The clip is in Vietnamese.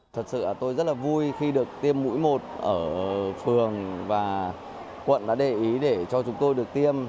thật sự tôi rất là vui khi được tiêm mũi một ở phường và quận đã để ý để cho chúng tôi được tiêm